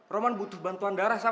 roman butuh bantuan darah